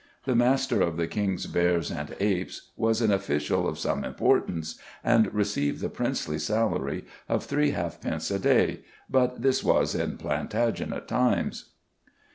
The "Master of the King's bears and apes" was an official of some importance, and received the princely salary of three halfpence a day; but this was in Plantagenet times.